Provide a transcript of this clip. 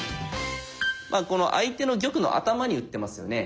この相手の玉の頭に打ってますよね